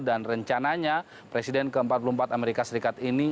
dan rencananya presiden ke empat puluh empat amerika serikat ini